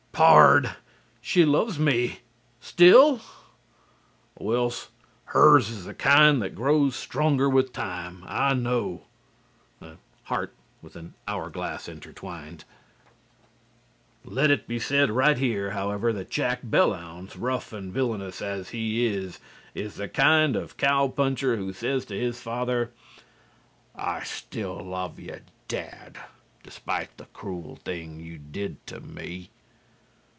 "PARD! SHE LOVES ME STILL?" "WILS, HERS IS THE KIND THAT GROWS STRONGER WITH TIME, I KNOW." (Heart and an hour glass intertwined.) Let it be said right here, however, that Jack Belllounds, rough and villainous as he is, is the kind of cow puncher who says to his father: "I still love you, dad, despite the cruel thing you did to me."